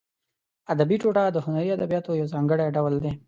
ادبي ټوټه د هنري ادبیاتو یو ځانګړی ډول دی.